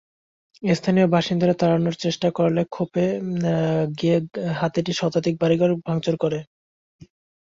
স্থানীয় বাসিন্দারা তাড়ানোর চেষ্টা করলে খেপে গিয়ে হাতিটি শতাধিক বাড়িঘর ভাংচুর করে।